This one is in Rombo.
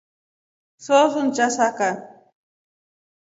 Sohosuni chasaka.